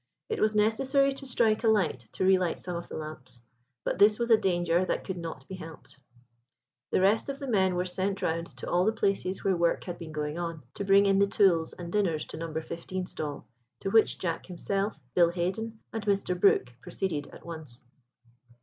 It was necessary to strike a light to relight some of the lamps, but this was a danger that could not be helped. The rest of the men were sent round to all the places where work had been going on, to bring in the tools and dinners to No. 15 stall, to which Jack himself, Bill Haden, and Mr. Brook proceeded at once.